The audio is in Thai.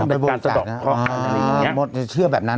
อ๋อไปบวกจัดนะมดจะเชื่อแบบนั้น